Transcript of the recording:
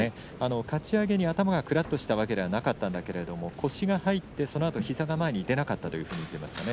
かち上げに頭がくらっとしたわけではなかったんだけれども腰が入ってそのあと膝が前に出なかったということなんです。